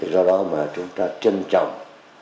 do đó mà chúng ta trân trọng